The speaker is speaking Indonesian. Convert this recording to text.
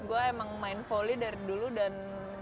gue emang main volley dari dulu dan